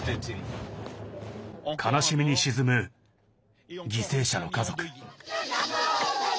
悲しみに沈む犠牲者の家族。